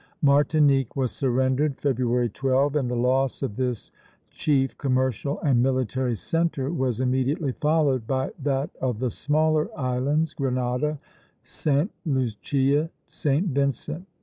Martinique was surrendered February 12, and the loss of this chief commercial and military centre was immediately followed by that of the smaller islands, Grenada, Sta. Lucia, St. Vincent.